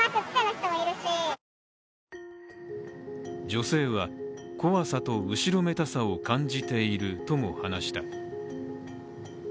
女性は怖さと後ろめたさを感じているとも話した。